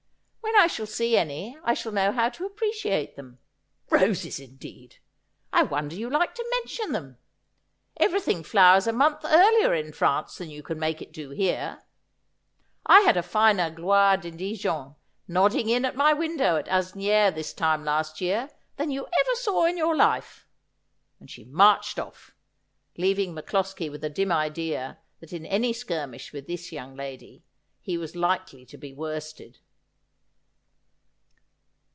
' When I see any I shall know how to appreciate them. Roses, indeed ! I wonder you like to mention them. Everything flowers a month earlier in France than you can make it do here. I had a finer G loire de Dijon nodding in at my window at Asnieres this time last year than you ever saw in your life '; and she marched off, leaving MacCloskie with a dim idea that in any skirmish with this young lady he was likely to be worsted.